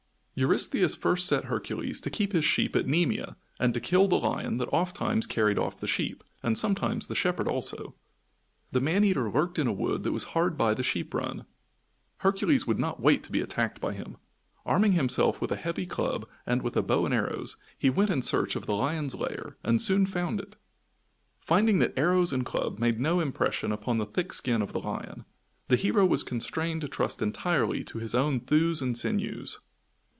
Eurystheus first set Hercules to keep his sheep at Nemea and to kill the lion that ofttimes carried off the sheep, and sometimes the shepherd also. The man eater lurked in a wood that was hard by the sheep run. Hercules would not wait to be attacked by him. Arming himself with a heavy club and with a bow and arrows, he went in search of the lion's lair and soon found it. Finding that arrows and club made no impression upon the thick skin of the lion, the hero was constrained to trust entirely to his own thews and sinews.